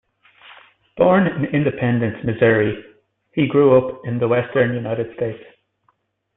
Born in Independence, Missouri, he grew up in the western United States.